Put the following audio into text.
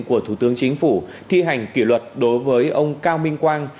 của thủ tướng chính phủ thi hành kỷ luật đối với ông cao minh quang